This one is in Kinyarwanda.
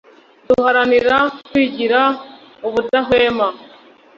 duharanira kwigira ubudahwema